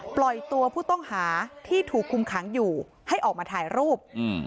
ปล่อยตัวผู้ต้องหาที่ถูกคุมขังอยู่ให้ออกมาถ่ายรูป